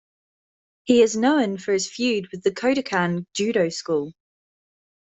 He is known for his feud with the Kodokan judo school.